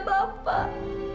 sekarang kan ada bapak